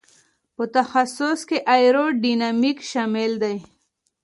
په تخصص کې ایرو ډینامیک شامل دی.